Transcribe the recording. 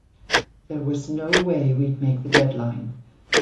There was no way we'd make the deadline.